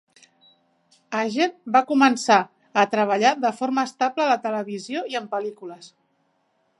Hagen va començar a treballar de forma estable a la televisió i en pel·lícules.